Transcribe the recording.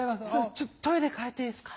ちょっとトイレ借りていいですか？